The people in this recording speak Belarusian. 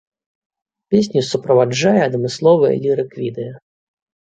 Песню суправаджае адмысловае лірык-відэа.